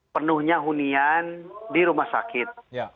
penuhnya hunian di rumah sakit